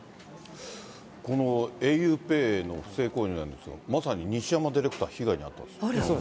このａｕＰＡＹの不正購入なんですが、まさに西山ディレクタそうなんです。